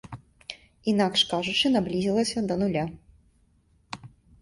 Інакш кажучы, наблізілася да нуля.